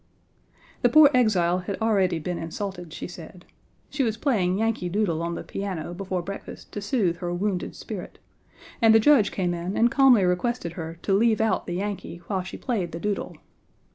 The poor exile had already been insulted, she said. She was playing "Yankee Doodle" on the piano before breakfast to soothe her wounded spirit, and the Judge came in and calmly requested her to "leave out the Yankee while she played the Doodle."